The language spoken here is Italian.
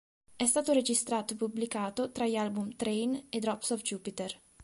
È stato registrato e pubblicato tra gli album "Train" e "Drops of Jupiter".